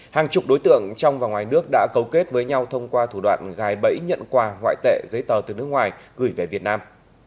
hàng chục đối tượng trong và ngoài nước đã cấu kết với nhau thông qua thủ đoạn gài bẫy nhận quà ngoại tệ giấy tờ từ nước ngoài gửi về việt nam